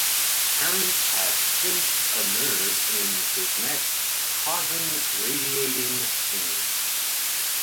Parent had pinched a nerve in his neck causing radiating pain.